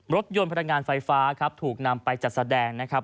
รถยนต์พลังงานไฟฟ้าครับถูกนำไปจัดแสดงนะครับ